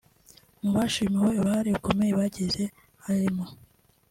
Mu bashimiwe uruhare rukomeye bagize harimo